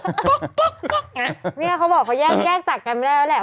เขาบอกเขาแยกจากกันไม่ได้แล้วแหละ